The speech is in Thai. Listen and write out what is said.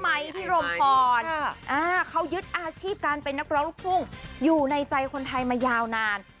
ไมค์พี่รมพรเขายึดอาชีพการเป็นนักร้องลูกทุ่งอยู่ในใจคนไทยมายาวนาน